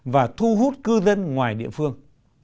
và thu hút cư dân ngoài địa phương